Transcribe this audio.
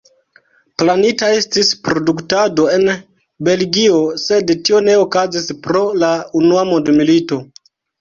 Planita estis produktado en Belgio, sed tio ne okazis pro la unua mondmilito.